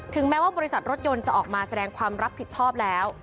แม้ว่าบริษัทรถยนต์จะออกมาแสดงความรับผิดชอบแล้ว